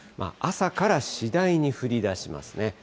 朝から次第に降りだしますね。